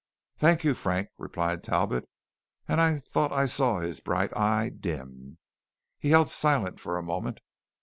"Thank you, Frank," replied Talbot, and I thought I saw his bright eye dim. He held silent for a moment.